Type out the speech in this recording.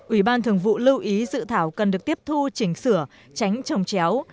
ủy ban thường vụ lưu ý dự thảo cần được tiếp thu chỉnh sửa tránh trồng chéo